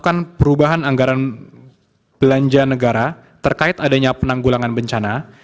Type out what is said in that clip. dan perubahan anggaran belanja negara terkait adanya penanggulangan bencana